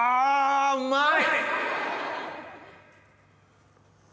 うまい！